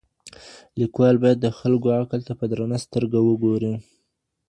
ليکوال بايد د خلګو عقل ته په درنه سترګه وګوري.